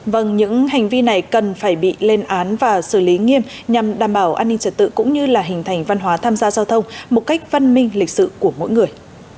vâng những hành vi này cần phải bị lên án và xử lý nghiêm nhằm đảm bảo an ninh trật tự cũng như là hình thành văn hóa tham gia giao thông một cách văn minh lịch sự của mỗi người